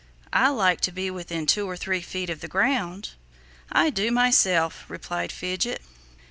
I like to be within two or three feet of the ground." "I do myself," replied Fidget.